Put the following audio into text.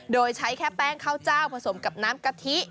โดยใช้แค่แป้งข้าวเจ้าผสมกับน้ำกะทิ